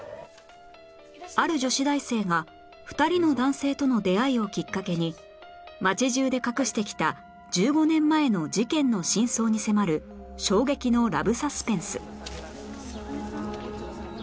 ある女子大生が２人の男性との出会いをきっかけに街中で隠してきた１５年前の事件の真相に迫る衝撃のラブサスペンス